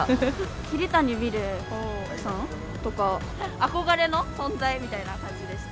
桐谷美玲さんとか、憧れの存在みたいな感じでした。